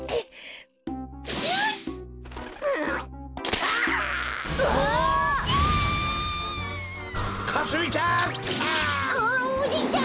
あおじいちゃん